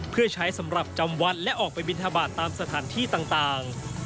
เพื่อใช้สำหรับจำวัดและออกไปบินทบาทตามสถานที่ต่าง